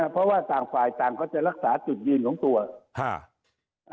เพราะว่าต่างฝ่ายต่างก็จะรักษาจุดยืนของตัว